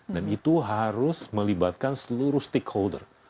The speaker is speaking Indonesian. dan itu harus melibatkan seluruh stakeholder